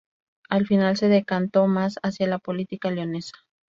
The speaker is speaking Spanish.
Al final, se decantó más hacía la política leonesa.